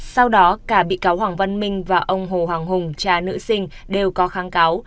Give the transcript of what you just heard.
sau đó cả bị cáo hoàng văn minh và ông hồ hoàng hùng cha nữ sinh đều có kháng cáo